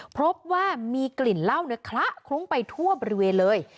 พบว่ามีกลิ่นเหล้าคละคลุ้งไปทั่วบริเวณเลย